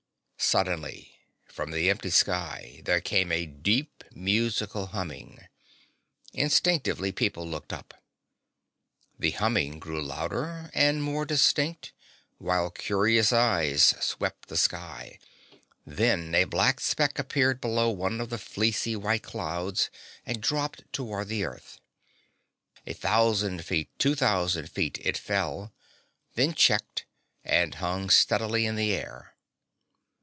Suddenly, from the empty sky, there came a deep, musical humming. Instinctively people looked up. The humming grew louder and more distinct, while curious eyes swept the sky. Then a black speck appeared below one of the fleecy white clouds and dropped toward the earth. A thousand feet, two thousand feet it fell, then checked and hung steadily in the air.